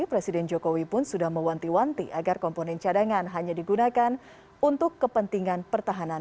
presiden jokowi pun sudah mewanti wanti agar komponen cadangan hanya digunakan untuk kepentingan pertahanan